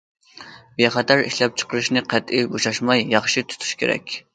بىخەتەر ئىشلەپچىقىرىشنى قەتئىي بوشاشماي ياخشى تۇتۇش كېرەك.